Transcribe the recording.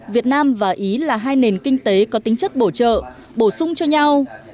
việt nam và ý là hai nền kinh tế có tính chất bổ trợ bổ sung cho nhau